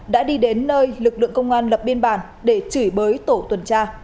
đã đi đến nơi lực lượng công an lập biên bản để chửi bới tổ tuần tra